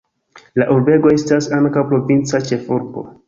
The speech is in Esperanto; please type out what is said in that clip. La urbego estas ankaŭ provinca ĉefurbo.